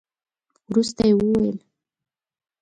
وروسته يې وويل.